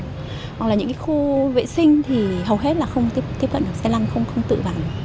hoặc là những cái khu vệ sinh thì hầu hết là không tiếp cận được xe lăn không tự vắng